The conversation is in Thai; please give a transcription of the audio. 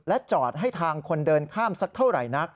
และจอดให้ทางคนเดินข้ามสักเท่าไร